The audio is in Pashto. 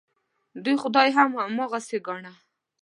دوی خدای هم هماغسې ګاڼه.